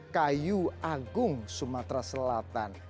kayu agung sumatra selatan